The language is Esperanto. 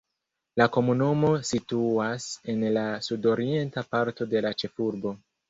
La komunumo situas en la sudorienta parto de la ĉefurbo.